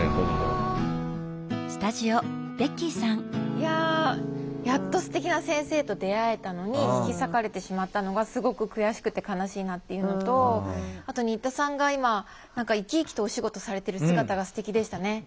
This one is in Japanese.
いややっとすてきな先生と出会えたのに引き裂かれてしまったのがすごく悔しくて悲しいなっていうのとあと新田さんが今何か生き生きとお仕事されてる姿がすてきでしたね。